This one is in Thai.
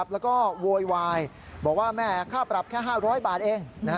แล้วก็โวยวายบอกว่าแม่ค่าปรับแค่๕๐๐บาทเอง